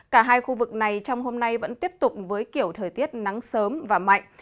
cả hai khu vực này trong hôm nay vẫn tiếp tục với kiểu thời tiết nắng sớm và mạnh